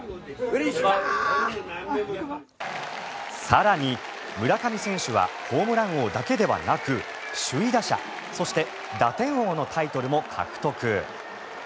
更に、村上選手はホームラン王だけではなく首位打者そして打点王のタイトルも獲得。